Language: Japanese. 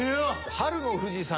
春の富士山。